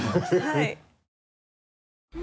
はい。